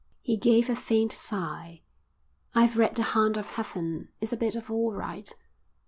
"_ He gave a faint sigh. "I've read The Hound of Heaven. It's a bit of all right."